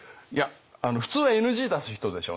普通はＮＧ出す人でしょう？